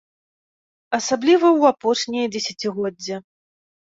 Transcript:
Асабліва ў апошняе дзесяцігоддзе.